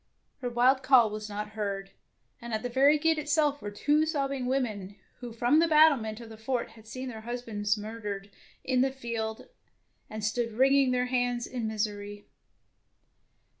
Her wild call was not heard, and at the very gate itself were two sobbing women who from the battlement of the fort had seen their husbands murdered in the field, and stood wringing their hands in misery.